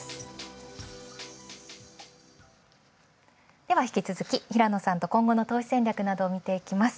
では引き続き平野さんと今後の投資戦略などを見ます。